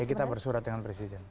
kita bersurat dengan presiden